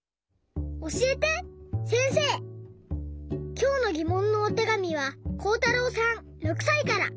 きょうのぎもんのおてがみはこうたろうさん６さいから。